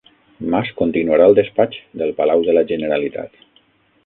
Mas continuarà al despatx del Palau de la Generalitat